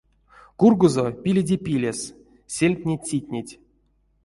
Кургозо пиледе пилес, сельмтне цитнить.